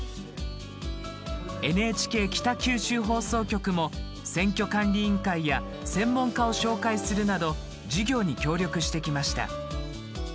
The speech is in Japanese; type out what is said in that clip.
ＮＨＫ北九州放送局も選挙管理委員会や専門家を紹介するなど授業に協力してきました。